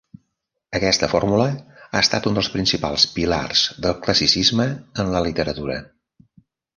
Aquesta fórmula ha estat un dels principals pilars del classicisme en la literatura.